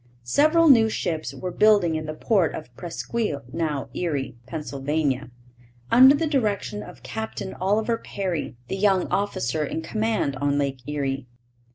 Several new ships were building in the port of Presqu'isle (now Erie), Pennsylvania, under the direction of Captain Oliver Perry, the young officer in command on Lake Erie.